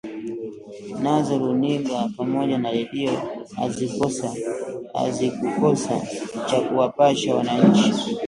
Nazo runiga pamoja na redio hazikukosa cha kuwapasha wananchi